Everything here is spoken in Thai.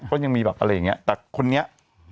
ก็ยังมีแบบอะไรอย่างนี้แต่คนนี้